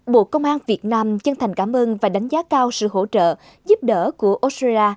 bộ công an việt nam chân thành cảm ơn và đánh giá cao sự hỗ trợ giúp đỡ của australia